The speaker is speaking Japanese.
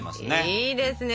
いいですね。